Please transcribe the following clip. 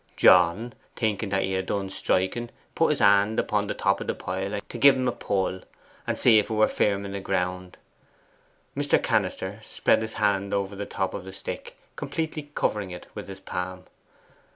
John, thinking he had done striking, put his hand upon the top o' the pile to gie en a pull, and see if 'a were firm in the ground.' Mr. Cannister spread his hand over the top of the stick, completely covering it with his palm.